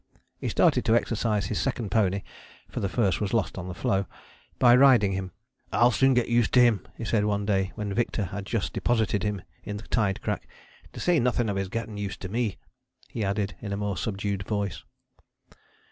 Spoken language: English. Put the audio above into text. He started to exercise his second pony (for the first was lost on the floe) by riding him. "I'll soon get used to him," he said one day when Victor had just deposited him in the tide crack, "to say nothing of his getting used to me," he added in a more subdued voice.